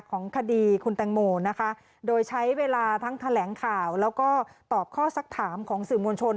ของคดีคุณแตงโมนะคะโดยใช้เวลาทั้งแถลงข่าวแล้วก็ตอบข้อสักถามของสื่อมวลชน